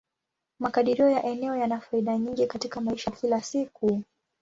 Makadirio ya eneo yana faida nyingi katika maisha ya kila siku.